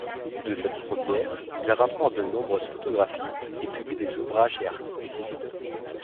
De cette première, il rapporte de nombreuses photographies et publie des ouvrages et articles.